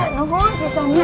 nuhun pisan ya